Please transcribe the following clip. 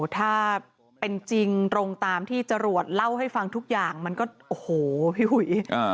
ถ้าเป็นจริงตรงตามที่จรวดเล่าให้ฟังทุกอย่างมันก็โอ้โหพี่อุ๋ย